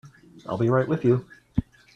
I'll be right with you.